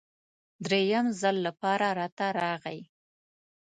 دریم ځل لپاره راته راغی.